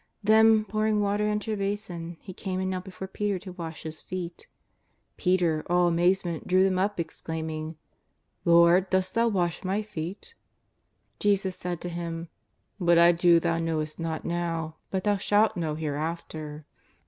Then, pouring water into a basin. He came and knelt before Peter to wash his feet. Peter, all amazement, drew them up, exclaiming :" Lord, dost Thou wash my feet ?'' Jesus said to him :^' What I do thou knowest not now, but thou shalt know hereafter."